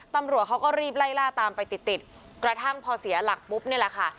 ตำรวจเขาก็รีบไล่ล่าตามไปติดติดกระทั่งพอเสียหลักปุ๊บนี่แหละค่ะ